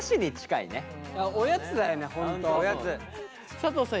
佐藤さん